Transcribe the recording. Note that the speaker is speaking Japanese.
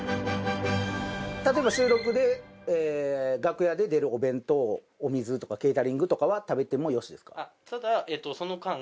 例えば収録で楽屋で出るお弁当お水とかケータリングとかは食べてもよしですか？